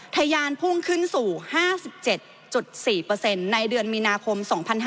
ทยานพุ่งขึ้นสู่๕๗๔ในเดือนมีนาคม๒๕๕๙